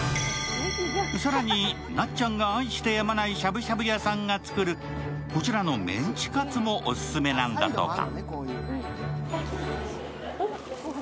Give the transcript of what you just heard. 更に、なっちゃんが愛してやまないしゃぶしゃぶ屋さんが作るこちらのメンチカツもオススメなんだとか。